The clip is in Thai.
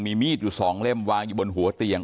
มีมีดอยู่๒เล่มวางอยู่บนหัวเตียง